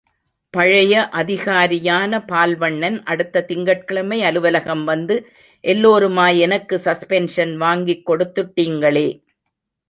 பழைய அதிகாரியான பால் வண்ணன், அடுத்த திங்கட்கிழமை அலுவலகம் வந்து எல்லோருமாய் எனக்கு சஸ்பென்ஷன் வாங்கிக் கொடுத்துட்டிங்களே.